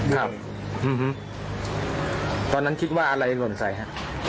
ครับตอนนั้นคิดว่าอะไรหล่นใส่ฮะ